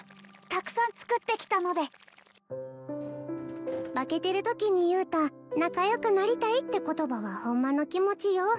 たくさん作ってきたので化けてるときに言うた仲良くなりたいって言葉はホンマの気持ちよ